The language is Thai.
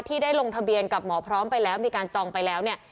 ที่ได้ลงทะเบียนกับหมอพร้อมไปแล้วมีการจองไปแล้วเนี่ย